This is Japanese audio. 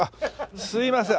すいません